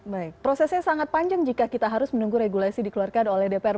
baik prosesnya sangat panjang jika kita harus menunggu regulasi dikeluarkan oleh dpr